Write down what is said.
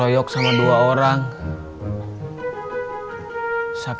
wohnya kesan serem di daerah bawah